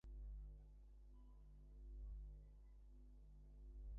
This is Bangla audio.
যেসব মানুষকে যুক্তরাজ্যের দরকার নেই, তাঁদের সহজে দেশ থেকে সরানো সম্ভব হবে।